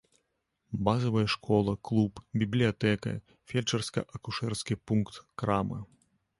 Базавая школа, клуб, бібліятэка, фельчарска-акушэрскі пункт, крама.